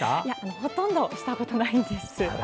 ほとんどしたことないです。